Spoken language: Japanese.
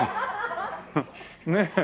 ねえ。